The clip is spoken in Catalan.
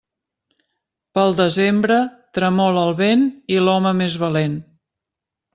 Pel desembre, tremola el vent i l'home més valent.